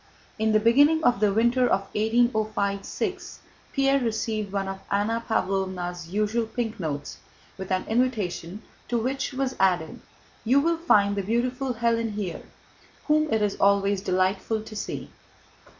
In the beginning of the winter of 1805 6 Pierre received one of Anna Pávlovna's usual pink notes with an invitation to which was added: "You will find the beautiful Hélène here, whom it is always delightful to see."